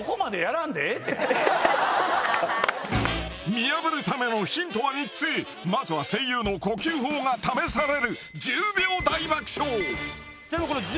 ⁉見破るためのヒントは３つまずは声優の呼吸法が試される